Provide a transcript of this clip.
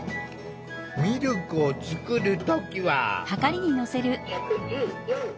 ミルクを作る時は。